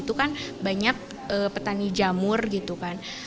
itu kan banyak petani jamur gitu kan